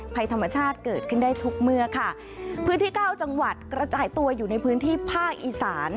ภัยธรรมชาติเกิดขึ้นได้ทุกเมื่อค่ะพื้นที่เก้าจังหวัดกระจายตัวอยู่ในพื้นที่ภาคอีสาน